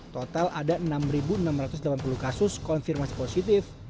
total ada enam enam ratus delapan puluh kasus konfirmasi positif